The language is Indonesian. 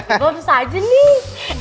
ah bob susah aja nih